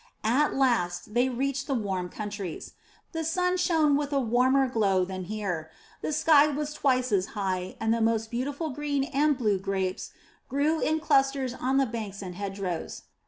At last they reached the warm countries. The sun shone with a warmer glow than here; the sky was twice as high, and the most beautiful green and blue grapes grew in clusters on the banks and hedgerows.